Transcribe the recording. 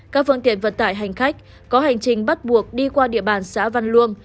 các phương tiện vận tải hành khách có hành trình bắt buộc đi qua địa bàn xã văn luông